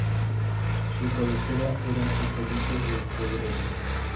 Su cabecera era San Felipe del Progreso.